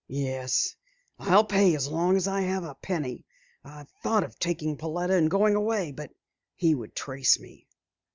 "Yes, I'll pay as long as I have a penny. I've thought of taking Pauletta and going away, but he would trace me."